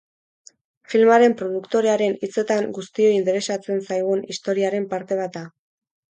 Filmaren produktorearen hitzetan guztioi interesatzenzaigun historiaren parte bat da.